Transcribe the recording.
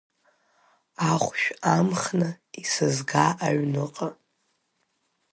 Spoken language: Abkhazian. Ахәшә амхны исызга аҩныҟа…